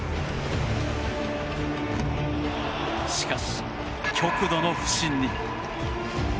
しかし、極度の不振に。